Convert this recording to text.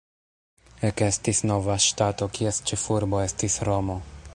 Ekestis nova ŝtato, kies ĉefurbo estis Romo.